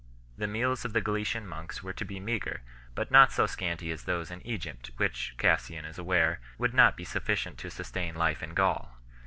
The meals of the Galilean monks were to be meagre, but not so scanty as those in Egypt, which, Cassian is aware, would not be sufficient to sustain life in Gaul 3